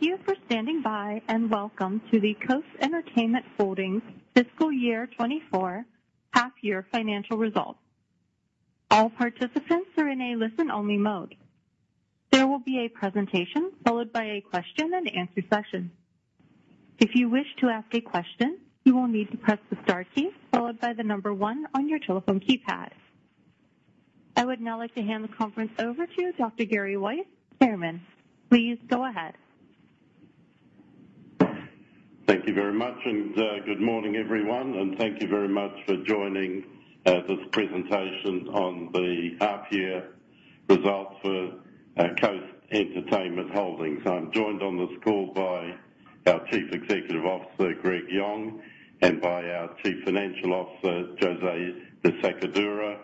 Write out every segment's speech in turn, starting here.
Thank you for standing by and welcome to the Coast Entertainment Holdings fiscal year 2024 half-year financial results. All participants are in a listen-only mode. There will be a presentation followed by a question-and-answer session. If you wish to ask a question, you will need to press the star key followed by the number 1 on your telephone keypad. I would now like to hand the conference over to Dr. Gary Weiss, chairman. Please go ahead. Thank you very much. Good morning, everyone. Thank you very much for joining this presentation on the half-year results for Coast Entertainment Holdings. I'm joined on this call by our Chief Executive Officer, Greg Yong, and by our Chief Financial Officer, José de Sacadura.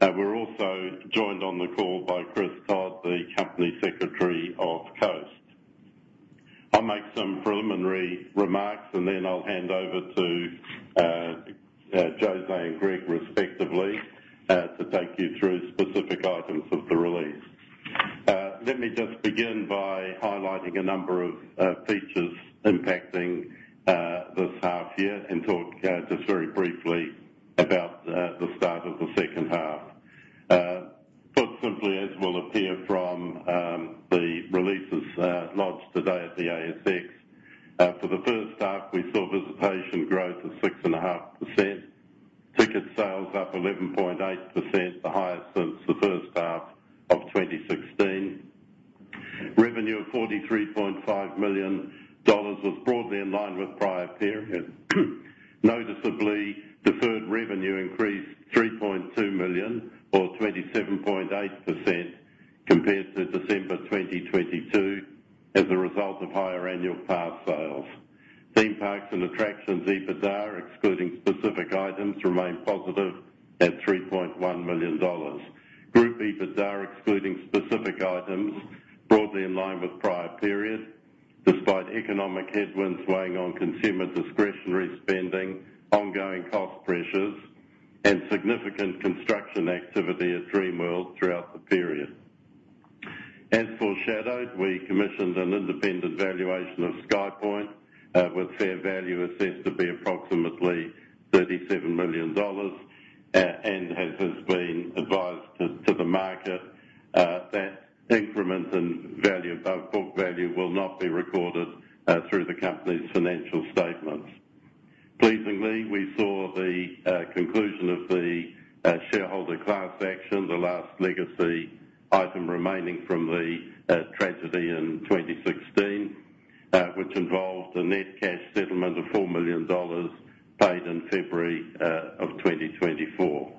We're also joined on the call by Chris Todd, the Company Secretary of Coast. I'll make some preliminary remarks, and then I'll hand over to José and Greg, respectively, to take you through specific items of the release. Let me just begin by highlighting a number of features impacting this half-year and talk just very briefly about the start of the second half. Put simply, as will appear from the releases lodged today at the ASX, for the first half, we saw visitation growth of 6.5%, ticket sales up 11.8%, the highest since the first half of 2016. Revenue of 43.5 million dollars was broadly in line with prior period. Noticeably, deferred revenue increased 3.2 million, or 27.8%, compared to December 2022 as a result of higher annual pass sales. Theme parks and attractions, EBITDA excluding specific items, remained positive at 3.1 million dollars. Group EBITDA excluding specific items, broadly in line with prior period, despite economic headwinds weighing on consumer discretionary spending, ongoing cost pressures, and significant construction activity at Dreamworld throughout the period. As foreshadowed, we commissioned an independent valuation of SkyPoint with fair value assessed to be approximately 37 million dollars and has been advised to the market that increment in value above book value will not be recorded through the company's financial statements. Pleasingly, we saw the conclusion of the shareholder class action, the last legacy item remaining from the tragedy in 2016, which involved a net cash settlement of 4 million dollars paid in February of 2024.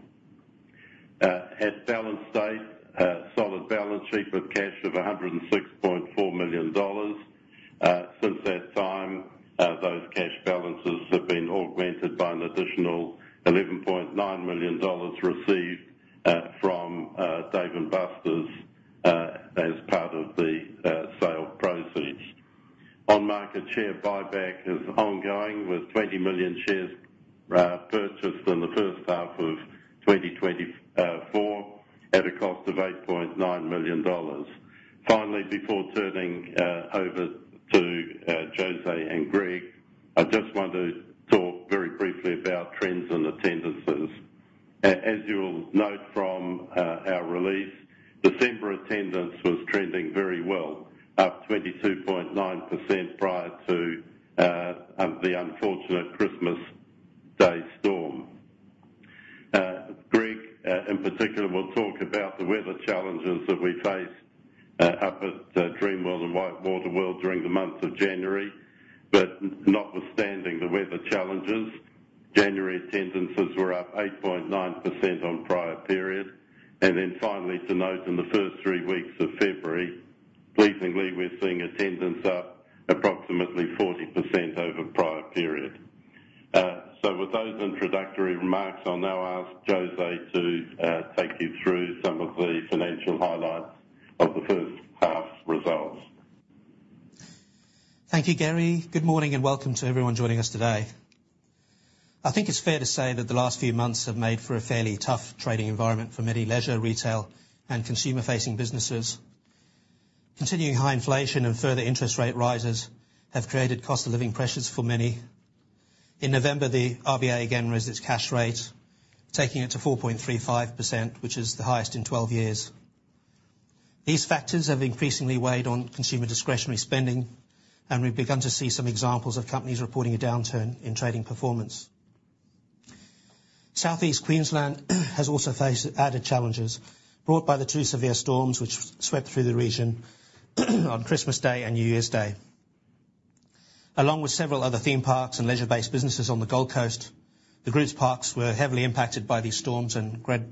At balance state, solid balance sheet with cash of 106.4 million dollars. Since that time, those cash balances have been augmented by an additional 11.9 million dollars received from Dave & Buster's as part of the sale proceeds. On-market share buyback is ongoing with 20 million shares purchased in the first half of 2024 at a cost of 8.9 million dollars. Finally, before turning over to José and Greg, I just want to talk very briefly about trends and attendances. As you will note from our release, December attendance was trending very well, up 22.9% prior to the unfortunate Christmas Day storm. Greg, in particular, will talk about the weather challenges that we faced up at Dreamworld and WhiteWater World during the month of January. But notwithstanding the weather challenges, January attendances were up 8.9% on prior period. Finally, to note in the first three weeks of February, pleasingly, we're seeing attendance up approximately 40% over prior period. With those introductory remarks, I'll now ask José to take you through some of the financial highlights of the first half's results. Thank you, Gary. Good morning and welcome to everyone joining us today. I think it's fair to say that the last few months have made for a fairly tough trading environment for many leisure, retail, and consumer-facing businesses. Continuing high inflation and further interest rate rises have created cost of living pressures for many. In November, the RBA again raised its cash rate, taking it to 4.35%, which is the highest in 12 years. These factors have increasingly weighed on consumer discretionary spending, and we've begun to see some examples of companies reporting a downturn in trading performance. South East Queensland has also faced added challenges brought by the two severe storms which swept through the region on Christmas Day and New Year's Day. Along with several other theme parks and leisure-based businesses on the Gold Coast, the group's parks were heavily impacted by these storms, and Greg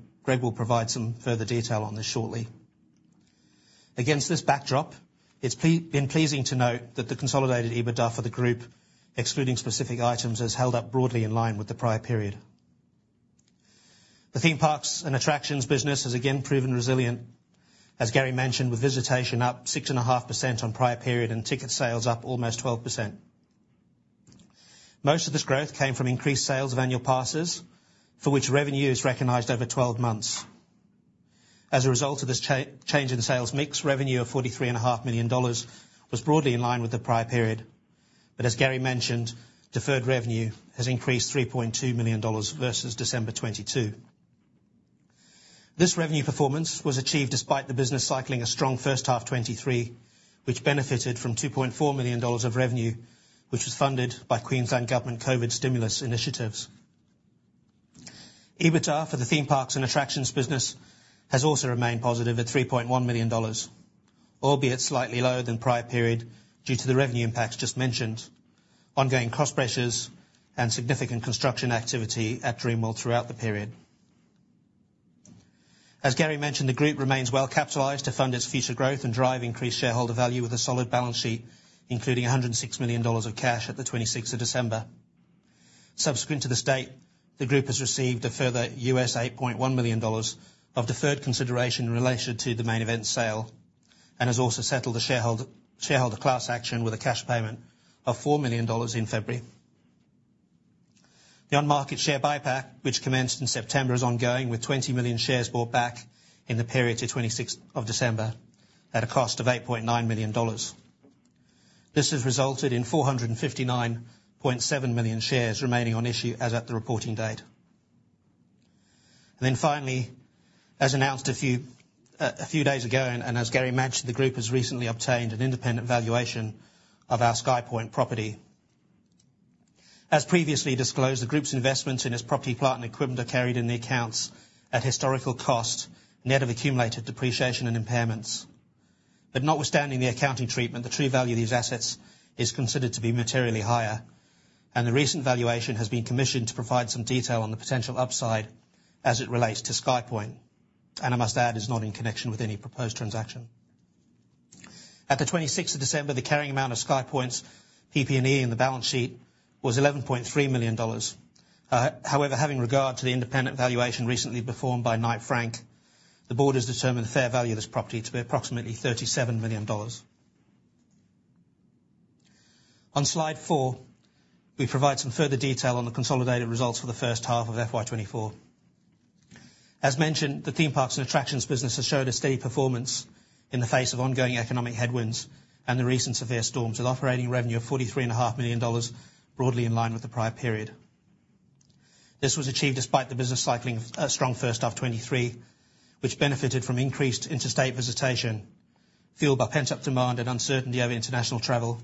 will provide some further detail on this shortly. Against this backdrop, it's been pleasing to note that the consolidated EBITDA for the group, excluding specific items, has held up broadly in line with the prior period. The theme parks and attractions business has again proven resilient, as Gary mentioned, with visitation up 6.5% on prior period and ticket sales up almost 12%. Most of this growth came from increased sales of annual passes, for which revenue is recognized over 12 months. As a result of this change in sales mix, revenue of 43.5 million dollars was broadly in line with the prior period. But as Gary mentioned, deferred revenue has increased 3.2 million dollars versus December 2022. This revenue performance was achieved despite the business cycling a strong first half 2023, which benefited from 2.4 million dollars of revenue, which was funded by Queensland Government COVID stimulus initiatives. EBITDA for the theme parks and attractions business has also remained positive at AUD 3.1 million, albeit slightly lower than prior period due to the revenue impacts just mentioned, ongoing cost pressures, and significant construction activity at Dreamworld throughout the period. As Gary mentioned, the group remains well-capitalized to fund its future growth and drive increased shareholder value with a solid balance sheet, including 106 million dollars of cash at the 26th of December. Subsequent to this date, the group has received a further $8.1 million of deferred consideration related to the Main Event sale and has also settled a shareholder class action with a cash payment of 4 million dollars in February. The on-market share buyback, which commenced in September, is ongoing, with 20 million shares bought back in the period to 26th of December at a cost of 8.9 million dollars. This has resulted in 459.7 million shares remaining on issue as at the reporting date. Then finally, as announced a few days ago and as Gary mentioned, the group has recently obtained an independent valuation of our SkyPoint property. As previously disclosed, the group's investments in its property, plant and equipment are carried in the accounts at historical cost net of accumulated depreciation and impairments. Notwithstanding the accounting treatment, the true value of these assets is considered to be materially higher. The recent valuation has been commissioned to provide some detail on the potential upside as it relates to SkyPoint. I must add, it's not in connection with any proposed transaction. At the 26th of December, the carrying amount of SkyPoint's PP&E in the balance sheet was 11.3 million dollars. However, having regard to the independent valuation recently performed by Knight Frank, the board has determined the fair value of this property to be approximately 37 million dollars. On slide 4, we provide some further detail on the consolidated results for the first half of FY 2024. As mentioned, the theme parks and attractions business has showed a steady performance in the face of ongoing economic headwinds and the recent severe storms, with operating revenue of 43.5 million dollars broadly in line with the prior period. This was achieved despite the business cycling of a strong first half 2023, which benefited from increased interstate visitation fueled by pent-up demand and uncertainty over international travel,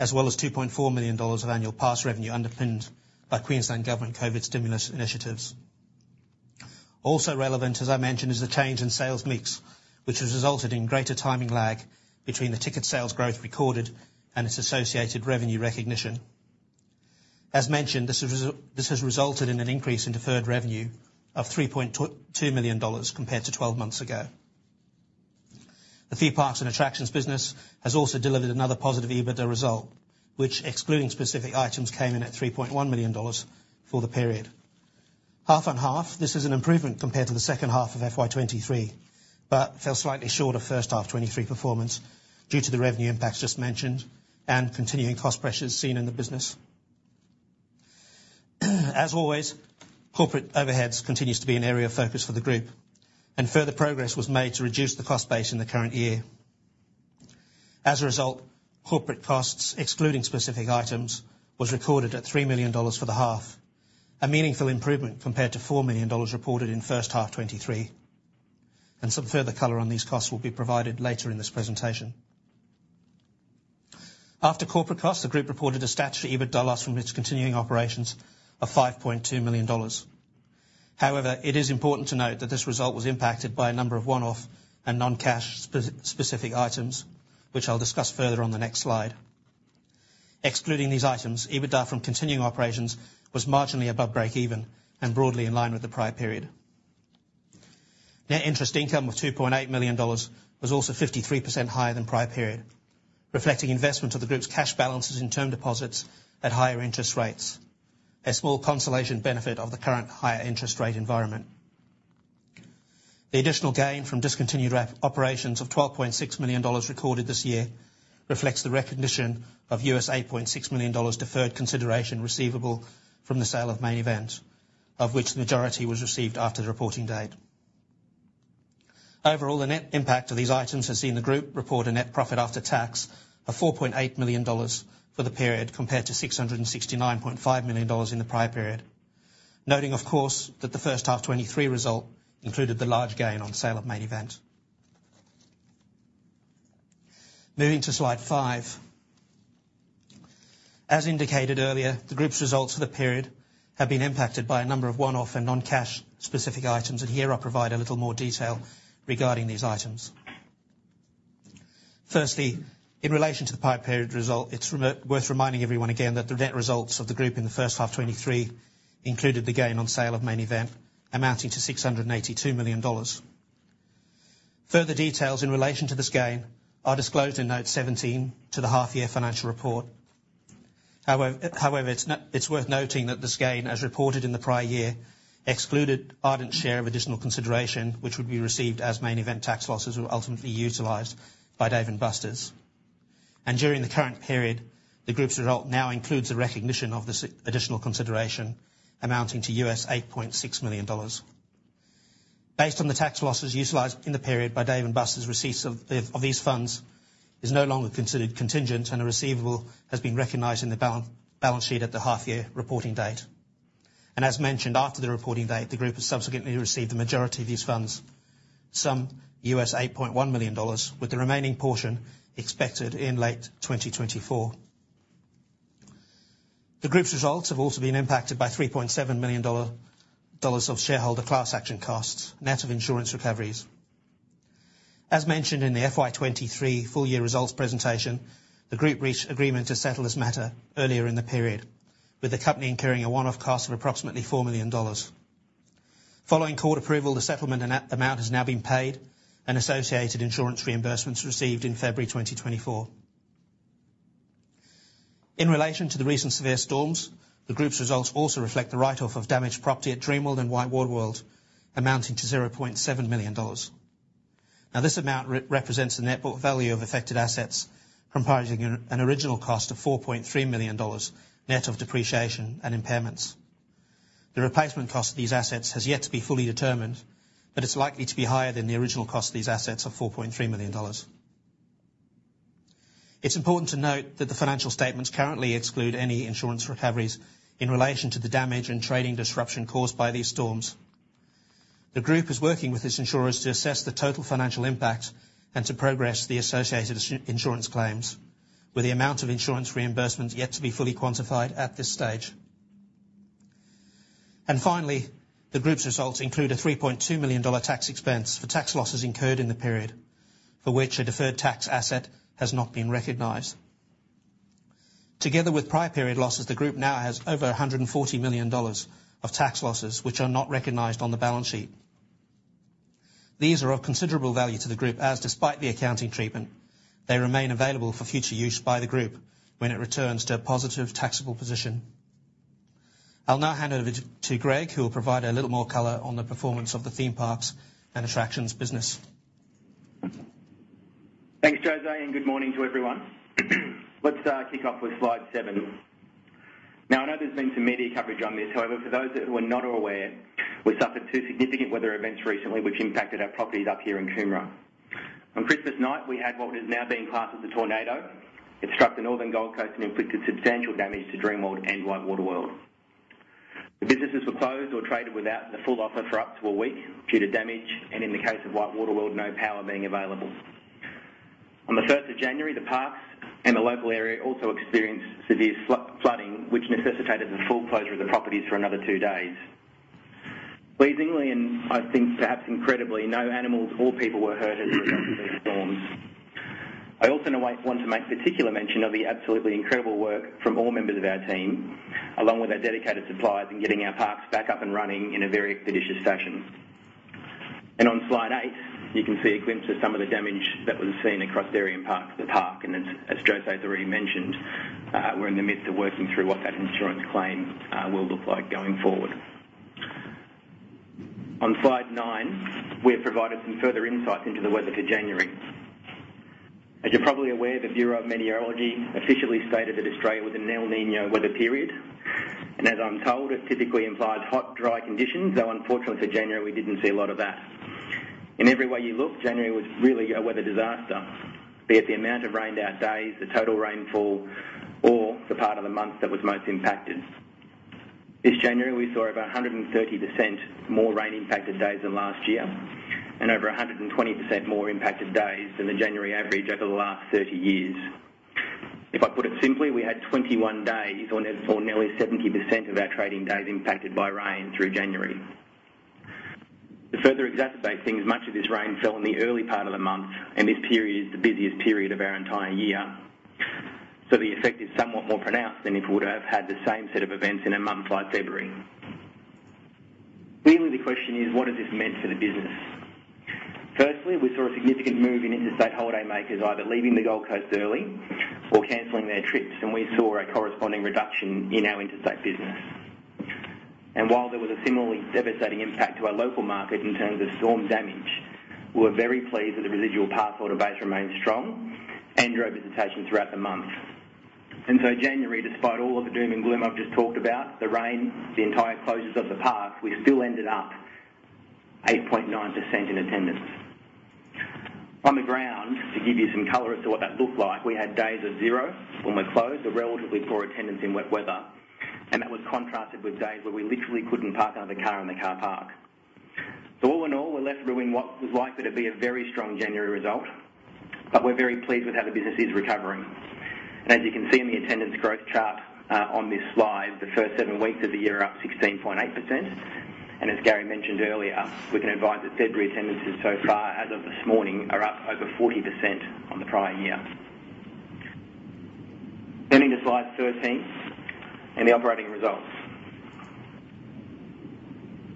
as well as 2.4 million dollars of annual pass revenue underpinned by Queensland Government COVID stimulus initiatives. Also relevant, as I mentioned, is the change in sales mix, which has resulted in greater timing lag between the ticket sales growth recorded and its associated revenue recognition. As mentioned, this has resulted in an increase in deferred revenue of 3.2 million dollars compared to 12 months ago. The theme parks and attractions business has also delivered another positive EBITDA result, which, excluding specific items, came in at 3.1 million dollars for the period. Half on half, this is an improvement compared to the second half of FY 2023 but fell slightly short of first half 2023 performance due to the revenue impacts just mentioned and continuing cost pressures seen in the business. As always, corporate overheads continue to be an area of focus for the group, and further progress was made to reduce the cost base in the current year. As a result, corporate costs, excluding specific items, were recorded at 3 million dollars for the half, a meaningful improvement compared to 4 million dollars reported in first half 2023. Some further color on these costs will be provided later in this presentation. After corporate costs, the group reported a statutory EBITDA loss from its continuing operations of 5.2 million dollars. However, it is important to note that this result was impacted by a number of one-off and non-cash specific items, which I'll discuss further on the next slide. Excluding these items, EBITDA from continuing operations was marginally above break-even and broadly in line with the prior period. Net interest income of 2.8 million dollars was also 53% higher than prior period, reflecting investment of the group's cash balances in term deposits at higher interest rates, a small consolation benefit of the current higher interest rate environment. The additional gain from discontinued operations of 12.6 million dollars recorded this year reflects the recognition of $8.6 million deferred consideration receivable from the sale of Main Event, of which the majority was received after the reporting date. Overall, the net impact of these items has seen the group report a net profit after tax of 4.8 million dollars for the period compared to 669.5 million dollars in the prior period, noting, of course, that the first half 2023 result included the large gain on sale of Main Event. Moving to slide 5. As indicated earlier, the group's results for the period have been impacted by a number of one-off and non-cash-specific items, and here I'll provide a little more detail regarding these items. Firstly, in relation to the prior period result, it's worth reminding everyone again that the net results of the group in the first half 2023 included the gain on sale of Main Event amounting to 682 million dollars. Further details in relation to this gain are disclosed in note 17 to the half-year financial report. However, it's worth noting that this gain, as reported in the prior year, excluded Ardent's share of additional consideration, which would be received as Main Event tax losses were ultimately utilized by Dave & Buster's. And during the current period, the group's result now includes the recognition of this additional consideration amounting to $8.6 million. Based on the tax losses utilized in the period by Dave & Buster's, receipts of these funds are no longer considered contingent, and a receivable has been recognized in the balance sheet at the half-year reporting date. As mentioned, after the reporting date, the group has subsequently received the majority of these funds, some $8.1 million, with the remaining portion expected in late 2024. The group's results have also been impacted by 3.7 million dollars of shareholder class action costs net of insurance recoveries. As mentioned in the FY 2023 full-year results presentation, the group reached agreement to settle this matter earlier in the period, with the company incurring a one-off cost of approximately 4 million dollars. Following court approval, the settlement amount has now been paid, and associated insurance reimbursements received in February 2024. In relation to the recent severe storms, the group's results also reflect the write-off of damaged property at Dreamworld and WhiteWater World amounting to 0.7 million dollars. Now, this amount represents the net value of affected assets comprising an original cost of 4.3 million dollars net of depreciation and impairments. The replacement cost of these assets has yet to be fully determined, but it's likely to be higher than the original cost of these assets of 4.3 million dollars. It's important to note that the financial statements currently exclude any insurance recoveries in relation to the damage and trading disruption caused by these storms. The group is working with its insurers to assess the total financial impact and to progress the associated insurance claims, with the amount of insurance reimbursements yet to be fully quantified at this stage. Finally, the group's results include a 3.2 million dollar tax expense for tax losses incurred in the period, for which a deferred tax asset has not been recognized. Together with prior period losses, the group now has over 140 million dollars of tax losses, which are not recognized on the balance sheet. These are of considerable value to the group, as despite the accounting treatment, they remain available for future use by the group when it returns to a positive taxable position. I'll now hand over to Greg, who will provide a little more color on the performance of the theme parks and attractions business. Thanks, José, and good morning to everyone. Let's kick off with slide 7. Now, I know there's been some media coverage on this. However, for those who are not aware, we suffered two significant weather events recently, which impacted our properties up here in Coomera. On Christmas night, we had what is now being classed as a tornado. It struck the northern Gold Coast and inflicted substantial damage to Dreamworld and WhiteWater World. The businesses were closed or traded without the full offer for up to a week due to damage and, in the case of WhiteWater World, no power being available. On the 1st of January, the parks and the local area also experienced severe flooding, which necessitated the full closure of the properties for another two days. Pleasingly, and I think perhaps incredibly, no animals or people were hurt as a result of these storms. I also want to make particular mention of the absolutely incredible work from all members of our team, along with our dedicated suppliers, in getting our parks back up and running in a very expeditious fashion. On slide 8, you can see a glimpse of some of the damage that was seen across our parks, the parks. As José has already mentioned, we're in the midst of working through what that insurance claim will look like going forward. On slide 9, we have provided some further insights into the weather for January. As you're probably aware, the Bureau of Meteorology officially stated that Australia was in an El Niño weather period. As I'm told, it typically implies hot, dry conditions. Though, unfortunately, for January, we didn't see a lot of that. In every way you look, January was really a weather disaster, be it the amount of rained-out days, the total rainfall, or the part of the month that was most impacted. This January, we saw over 130% more rain-impacted days than last year and over 120% more impacted days than the January average over the last 30 years. If I put it simply, we had 21 days or nearly 70% of our trading days impacted by rain through January. To further exacerbate things, much of this rain fell in the early part of the month, and this period is the busiest period of our entire year. So the effect is somewhat more pronounced than if we would have had the same set of events in a month like February. Clearly, the question is, what has this meant for the business? Firstly, we saw a significant move in interstate holiday makers either leaving the Gold Coast early or canceling their trips, and we saw a corresponding reduction in our interstate business. While there was a similarly devastating impact to our local market in terms of storm damage, we were very pleased that the residual pass holiday base remained strong and drove visitation throughout the month. So January, despite all of the doom and gloom I've just talked about, the rain, the entire closures of the park, we still ended up 8.9% in attendance. On the ground, to give you some color as to what that looked like, we had days of zero when we closed, a relatively poor attendance in wet weather. That was contrasted with days where we literally couldn't park another car in the car park. So all in all, we're left ruing what was likely to be a very strong January result, but we're very pleased with how the business is recovering. As you can see in the attendance growth chart on this slide, the first 7 weeks of the year are up 16.8%. As Gary mentioned earlier, we can advise that February attendances so far as of this morning are up over 40% on the prior year. Turning to slide 13 and the operating results.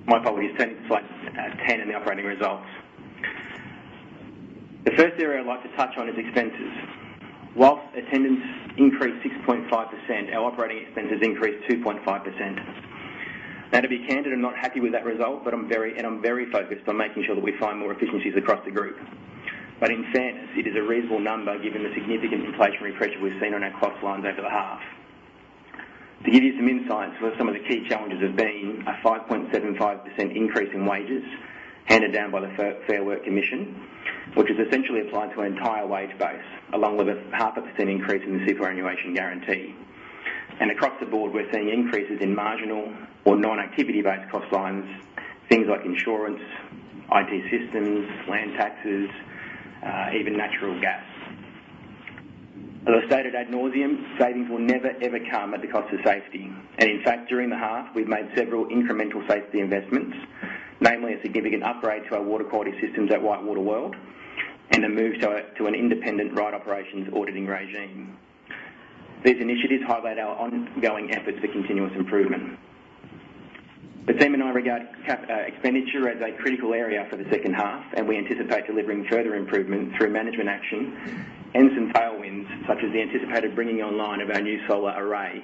My apologies, turning to slide 10 and the operating results. The first area I'd like to touch on is expenses. While attendance increased 6.5%, our operating expenses increased 2.5%. Now, to be candid, I'm not happy with that result, but I'm very and I'm very focused on making sure that we find more efficiencies across the group. In fairness, it is a reasonable number given the significant inflationary pressure we've seen on our cost lines over the half. To give you some insights with some of the key challenges have been a 5.75% increase in wages handed down by the Fair Work Commission, which has essentially applied to our entire wage base along with a 0.5% increase in the superannuation guarantee. Across the board, we're seeing increases in marginal or non-activity-based cost lines, things like insurance, IT systems, land taxes, even natural gas. As I stated ad nauseam, savings will never, ever come at the cost of safety. In fact, during the half, we've made several incremental safety investments, namely a significant upgrade to our water quality systems at WhiteWater World and a move to an independent ride operations auditing regime. These initiatives highlight our ongoing efforts for continuous improvement. The team and I regard expenditure as a critical area for the second half, and we anticipate delivering further improvement through management action and some tailwinds such as the anticipated bringing online of our new solar array,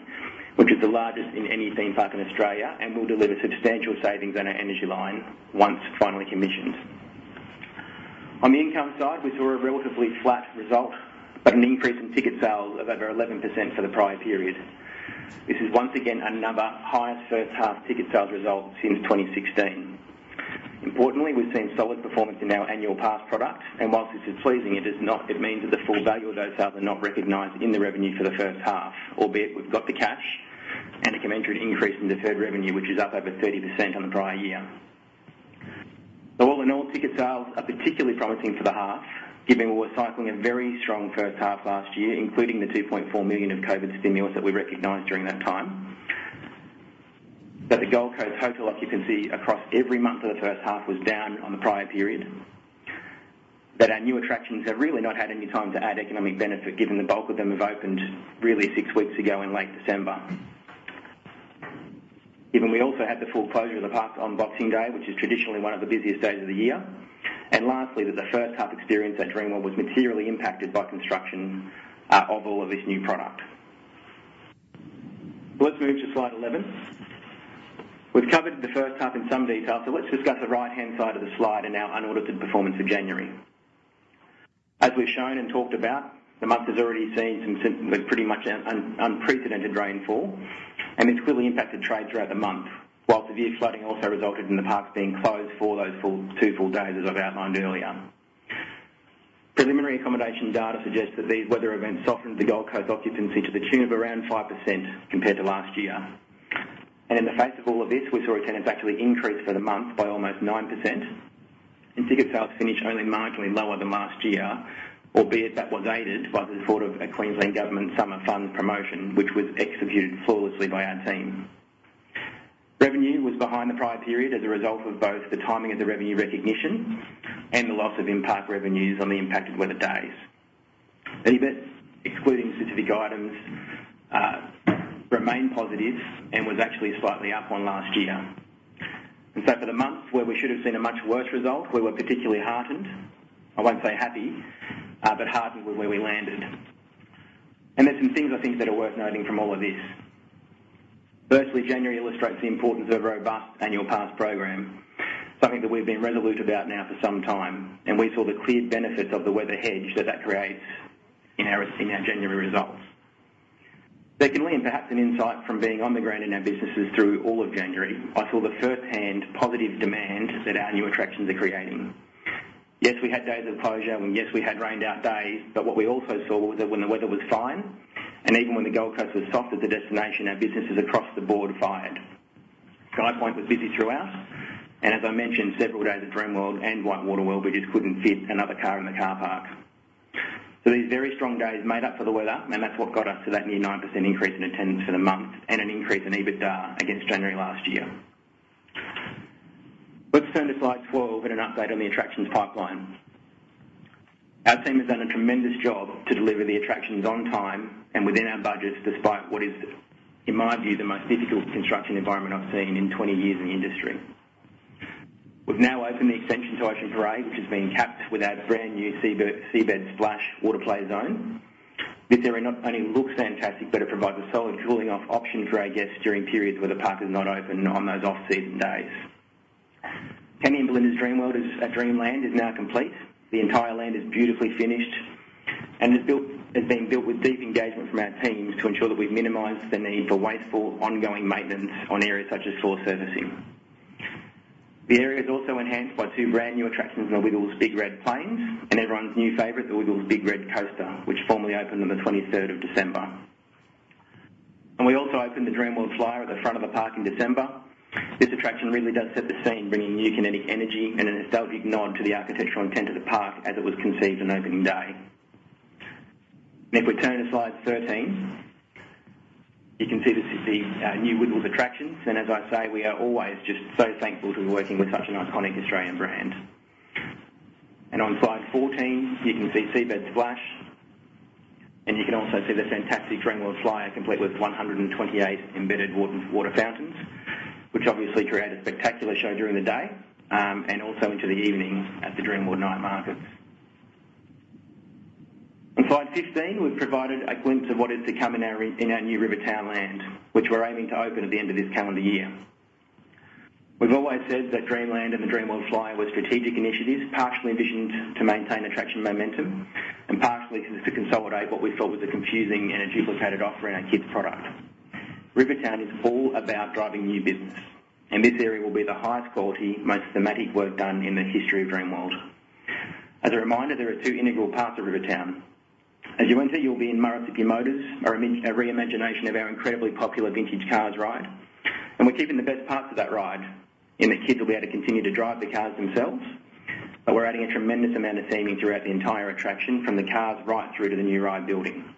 which is the largest in any theme park in Australia and will deliver substantial savings on our energy line once finally commissioned. On the income side, we saw a relatively flat result but an increase in ticket sales of over 11% for the prior period. This is once again another highest first-half ticket sales result since 2016. Importantly, we've seen solid performance in our annual pass product, and while this is pleasing, it means that the full value of those sales are not recognized in the revenue for the first half, albeit we've got the cash and a commensurate increase in deferred revenue, which is up over 30% on the prior year. So all in all, ticket sales are particularly promising for the half, given we were cycling a very strong first half last year, including the 2.4 million of COVID stimulus that we recognized during that time. That the Gold Coast total occupancy across every month of the first half was down on the prior period. That our new attractions have really not had any time to add economic benefit given the bulk of them have opened really six weeks ago in late December. Given we also had the full closure of the park on Boxing Day, which is traditionally one of the busiest days of the year. And lastly, that the first-half experience at Dreamworld was materially impacted by construction of all of this new product. Let's move to slide 11. We've covered the first half in some detail, so let's discuss the right-hand side of the slide and our unaudited performance of January. As we've shown and talked about, the month has already seen some pretty much unprecedented rainfall, and it's clearly impacted trade throughout the month, while severe flooding also resulted in the parks being closed for those two full days as I've outlined earlier. Preliminary accommodation data suggests that these weather events softened the Gold Coast occupancy to the tune of around 5% compared to last year. In the face of all of this, we saw attendance actually increase for the month by almost 9%, and ticket sales finished only marginally lower than last year, albeit that was aided by the support of a Queensland Government Summer Fund promotion, which was executed flawlessly by our team. Revenue was behind the prior period as a result of both the timing of the revenue recognition and the loss of impact revenues on the impacted weather days. EBITDA excluding specific items remained positive and was actually slightly up on last year. And so for the month where we should have seen a much worse result, we were particularly heartened. I won't say happy, but heartened with where we landed. And there's some things I think that are worth noting from all of this. Firstly, January illustrates the importance of a robust annual pass program, something that we've been resolute about now for some time, and we saw the clear benefits of the weather hedge that that creates in our January results. Secondly, and perhaps an insight from being on the ground in our businesses through all of January, I saw the first-hand positive demand that our new attractions are creating. Yes, we had days of closure, and yes, we had rained-out days, but what we also saw was that when the weather was fine and even when the Gold Coast was soft at the destination, our businesses across the board fired. SkyPoint was busy throughout, and as I mentioned, several days at Dreamworld and WhiteWater World, we just couldn't fit another car in the car park. So these very strong days made up for the weather, and that's what got us to that near 9% increase in attendance for the month and an increase in EBITDA against January last year. Let's turn to slide 12 and an update on the attractions pipeline. Our team has done a tremendous job to deliver the attractions on time and within our budgets despite what is, in my view, the most difficult construction environment I've seen in 20 years in the industry. We've now opened the extension to Ocean Parade, which has been capped with our brand new Seabed Splash Waterplay Zone. This area not only looks fantastic, but it provides a solid cooling-off option for our guests during periods where the park is not open on those off-season days. Kenny and Belinda's Dreamland at Dreamworld is now complete. The entire land is beautifully finished and has been built with deep engagement from our teams to ensure that we've minimized the need for wasteful ongoing maintenance on areas such as floor servicing. The area is also enhanced by two brand new attractions in the Wiggles Big Red Planes and everyone's new favorite, the Wiggles Big Red Coaster, which formally opened on the 23rd of December. We also opened the Dreamworld Flyer at the front of the park in December. This attraction really does set the scene, bringing new kinetic energy and a nostalgic nod to the architectural intent of the park as it was conceived on opening day. If we turn to slide 13, you can see the new Wiggles attractions. As I say, we are always just so thankful to be working with such an iconic Australian brand. On slide 14, you can see Seabed Splash, and you can also see the fantastic Dreamworld Flyer complete with 128 embedded water fountains, which obviously create a spectacular show during the day and also into the evening at the Dreamworld Night Markets. On slide 15, we've provided a glimpse of what is to come in our new Rivertown land, which we're aiming to open at the end of this calendar year. We've always said that Dreamland and the Dreamworld Flyer were strategic initiatives partially envisioned to maintain attraction momentum and partially to consolidate what we felt was a confusing and a duplicated offer in our kids' product. Rivertown is all about driving new business, and this area will be the highest-quality, most thematic work done in the history of Dreamworld. As a reminder, there are two integral parts of Rivertown. As you enter, you'll be in Murrissippi Motors, a reimagination of our incredibly popular vintage cars ride. We're keeping the best parts of that ride in that kids will be able to continue to drive the cars themselves, but we're adding a tremendous amount of theming throughout the entire attraction from the cars right through to the new ride building.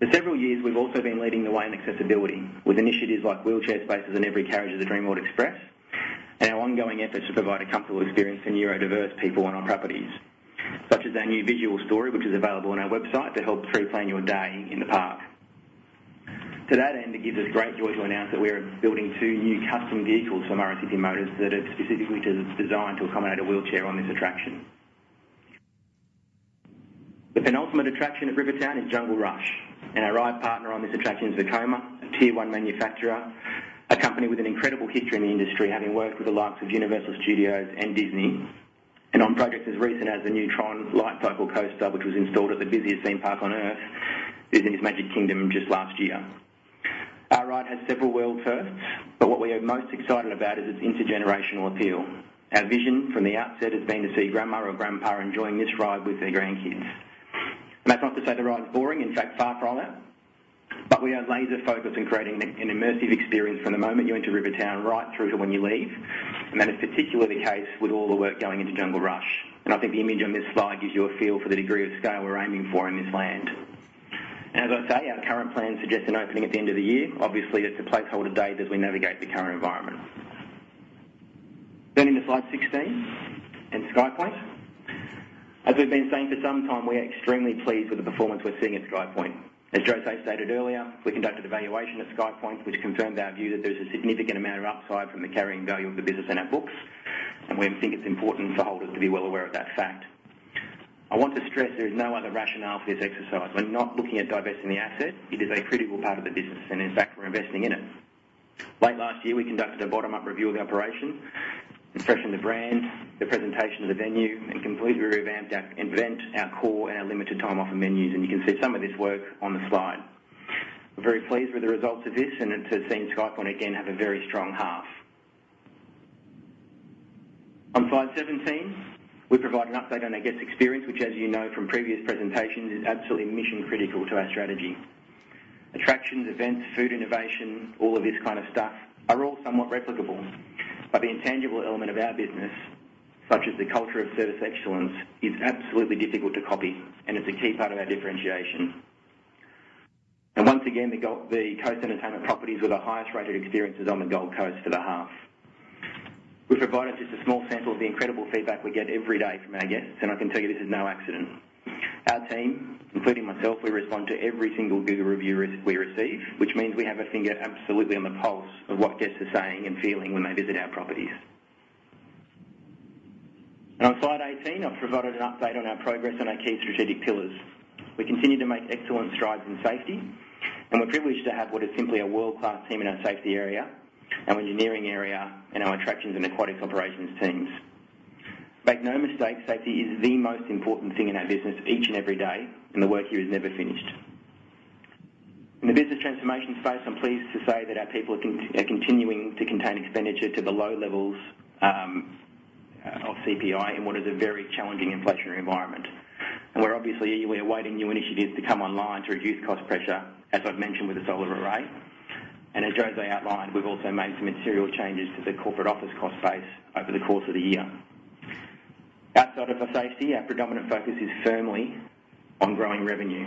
For several years, we've also been leading the way in accessibility with initiatives like wheelchair spaces in every carriage of the Dreamworld Express and our ongoing efforts to provide a comfortable experience for neurodiverse people on our properties, such as our new visual story, which is available on our website to help pre-plan your day in the park. To that end, it gives us great joy to announce that we are building two new custom vehicles for Murrissippi Motors that are specifically designed to accommodate a wheelchair on this attraction. The penultimate attraction at Rivertown is Jungle Rush, and our ride partner on this attraction is Vekoma, a tier one manufacturer, a company with an incredible history in the industry having worked with the likes of Universal Studios and Disney and on projects as recent as the new TRON lightcycle coaster, which was installed at the busiest theme park on Earth, Disney's Magic Kingdom, just last year. Our ride has several world firsts, but what we are most excited about is its intergenerational appeal. Our vision from the outset has been to see grandma or grandpa enjoying this ride with their grandkids. That's not to say the ride's boring, in fact, far from that, but we are laser-focused on creating an immersive experience from the moment you enter Rivertown right through to when you leave. That is particularly the case with all the work going into Jungle Rush. I think the image on this slide gives you a feel for the degree of scale we're aiming for in this land. As I say, our current plans suggest an opening at the end of the year. Obviously, it's a placeholder date as we navigate the current environment. Turning to slide 16 and SkyPoint. As we've been saying for some time, we are extremely pleased with the performance we're seeing at SkyPoint. As José stated earlier, we conducted evaluation at SkyPoint, which confirmed our view that there's a significant amount of upside from the carrying value of the business in our books, and we think it's important for holders to be well aware of that fact. I want to stress there is no other rationale for this exercise. We're not looking at divesting the asset. It is a critical part of the business, and in fact, we're investing in it. Late last year, we conducted a bottom-up review of the operation, refreshing the brand, the presentation of the venue, and completely revamped our core and our limited-time-offer menus. And you can see some of this work on the slide. We're very pleased with the results of this, and it has seen SkyPoint again have a very strong half. On slide 17, we provide an update on our guest experience, which, as you know from previous presentations, is absolutely mission-critical to our strategy. Attractions, events, food innovation, all of this kind of stuff are all somewhat replicable, but the intangible element of our business, such as the culture of service excellence, is absolutely difficult to copy, and it's a key part of our differentiation. Once again, the Coast Entertainment properties with the highest-rated experiences on the Gold Coast for the half. We provide it just a small sample of the incredible feedback we get every day from our guests, and I can tell you this is no accident. Our team, including myself, we respond to every single Google review we receive, which means we have a finger absolutely on the pulse of what guests are saying and feeling when they visit our properties. On slide 18, I've provided an update on our progress on our key strategic pillars. We continue to make excellent strides in safety, and we're privileged to have what is simply a world-class team in our safety area, our engineering area, and our attractions and aquatics operations teams. Make no mistake, safety is the most important thing in our business each and every day, and the work here is never finished. In the business transformation space, I'm pleased to say that our people are continuing to contain expenditure to below levels of CPI in what is a very challenging inflationary environment. We're obviously awaiting new initiatives to come online to reduce cost pressure, as I've mentioned, with the solar array. As José outlined, we've also made some material changes to the corporate office cost base over the course of the year. Outside of our safety, our predominant focus is firmly on growing revenue.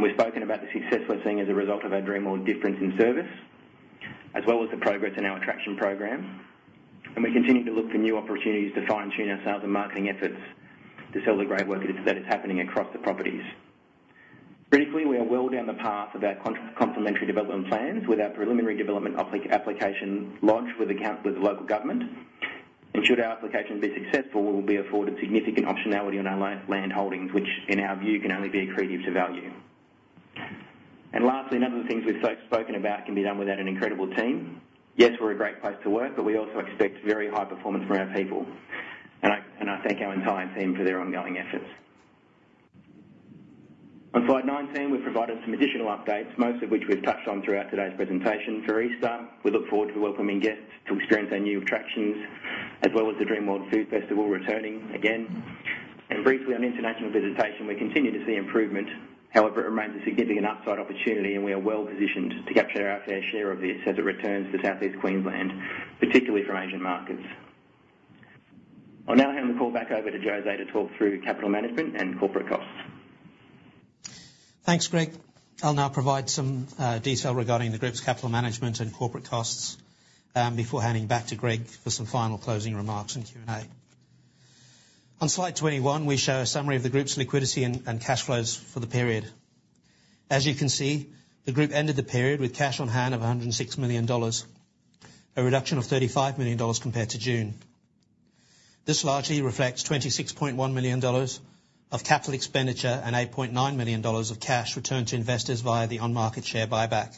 We've spoken about the success we're seeing as a result of our Dreamworld difference in service as well as the progress in our attraction program. We continue to look for new opportunities to fine-tune ourselves and marketing efforts to sell the great work that is happening across the properties. Critically, we are well down the path of our complementary development plans with our preliminary development application lodged with the local government. Should our application be successful, we will be afforded significant optionality on our land holdings, which, in our view, can only be accretive to value. Lastly, none of the things we've spoken about can be done without an incredible team. Yes, we're a great place to work, but we also expect very high performance from our people. I thank our entire team for their ongoing efforts. On slide 19, we've provided some additional updates, most of which we've touched on throughout today's presentation. For Easter, we look forward to welcoming guests to experience our new attractions as well as the Dreamworld Food Festival returning again. And briefly, on international visitation, we continue to see improvement. However, it remains a significant upside opportunity, and we are well positioned to capture our fair share of this as it returns to South East Queensland, particularly from Asian markets. I'll now hand the call back over to José to talk through capital management and corporate costs. Thanks, Greg. I'll now provide some detail regarding the group's capital management and corporate costs before handing back to Greg for some final closing remarks and Q&A. On slide 21, we show a summary of the group's liquidity and cash flows for the period. As you can see, the group ended the period with cash on hand of 106 million dollars, a reduction of 35 million dollars compared to June. This largely reflects 26.1 million dollars of capital expenditure and 8.9 million dollars of cash returned to investors via the on-market share buyback.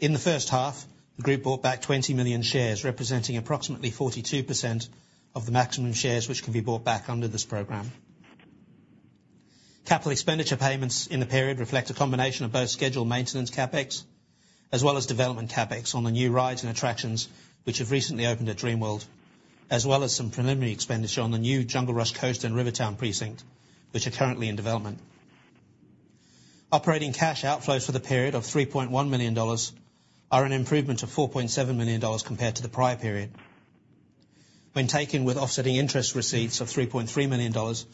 In the first half, the group bought back 20 million shares, representing approximately 42% of the maximum shares which can be bought back under this program. Capital expenditure payments in the period reflect a combination of both scheduled maintenance CapEx as well as development CapEx on the new rides and attractions which have recently opened at Dreamworld, as well as some preliminary expenditure on the new Jungle Rush coaster and Rivertown Precinct, which are currently in development. Operating cash outflows for the period of 3.1 million dollars are an improvement of 4.7 million dollars compared to the prior period. When taken with offsetting interest receipts of 3.3 million dollars,